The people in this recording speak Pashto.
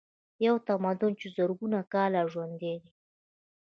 یو تمدن چې زرګونه کاله ژوندی دی.